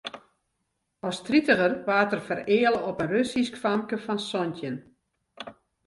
As tritiger waard er fereale op in Russysk famke fan santjin.